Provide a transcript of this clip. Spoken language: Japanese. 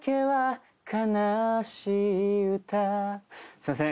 すいません。